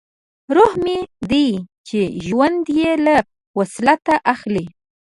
روح مې دی چې ژوند یې له وصلت اخلي